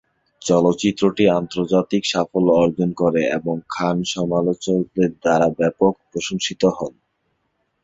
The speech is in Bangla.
চলচ্চিত্রটি আন্তর্জাতিক সাফল্য অর্জন করে এবং খান সমালোচকদের দ্বারা ব্যাপক প্রশংসিত হন।